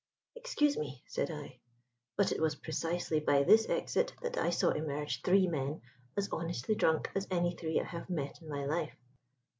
"Excuse me," said I, "but it was precisely by this exit that I saw emerge three men as honestly drunk as any three I have met in my life."